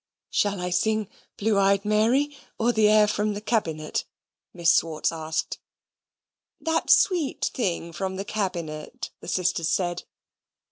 "Shall I sing 'Blue Eyed Mary' or the air from the Cabinet?" Miss Swartz asked. "That sweet thing from the Cabinet," the sisters said.